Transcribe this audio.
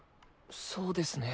そうですね。